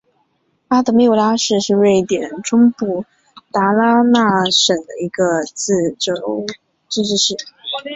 海德穆拉市是瑞典中部达拉纳省的一个自治市。